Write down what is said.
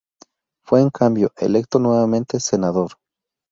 Fue, en cambio, electo nuevamente senador.